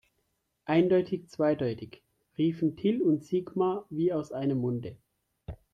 Eindeutig zweideutig, riefen Till und Sigmar wie aus einem Munde.